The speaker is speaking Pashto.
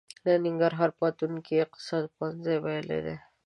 ننګرهار پوهنتون کې يې اقتصاد پوهنځی ويلی دی.